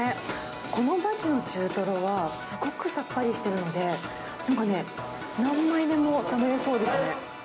このバチの中トロは、すごくさっぱりしてるので、なんかね、何枚でも食べれそうですね。